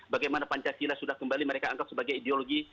bagaimana pancasila sudah kembali mereka anggap sebagai ideologi